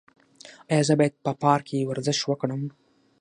ایا زه باید په پارک کې ورزش وکړم؟